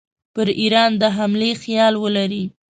پر ایران د حملې خیال ولري.